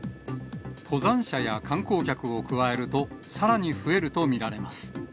登山者や観光客を加えると、さらに増えると見られます。